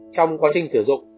trong quá trình sử dụng